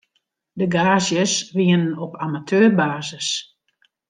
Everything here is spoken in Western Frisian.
De gaazjes wienen op amateurbasis.